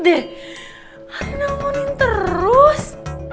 deh harina omongin terus